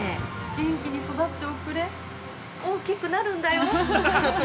◆元気に育っておくれ、大きくなるんだよ。